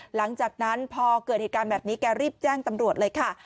หลังจากนั้นพอเกิดเหตุการณ์แบบนี้แกรีบแจ้งตำรวจเลยค่ะ